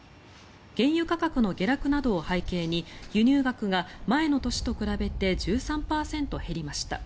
原油価格の下落などを背景に輸入額が前の年と比べて１３％減りました。